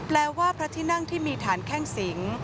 แปลว่าพระที่นั่งที่มีฐานแข้งสิง